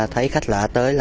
thấy khách lạ tới